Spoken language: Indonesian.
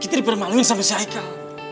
kita dipermaluin sama si aikal